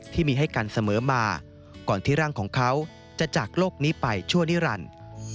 ที่มีให้กันเสมอมาก่อนที่ร่างของเขาจะจากโลกนี้ไปชั่วนิรันดิ์